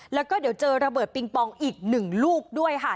แล้วก็เดี๋ยวเจอระเบิดปิงปองอีก๑ลูกด้วยค่ะ